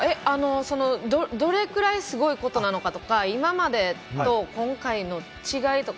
どれくらいすごいことなのかとか、今までと今回の違いとか。